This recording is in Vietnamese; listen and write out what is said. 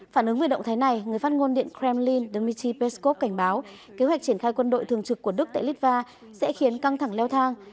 phản ứng về động thái này người phát ngôn điện kremlin dmitry peskov cảnh báo kế hoạch triển khai quân đội thường trực của đức tại litva sẽ khiến căng thẳng leo thang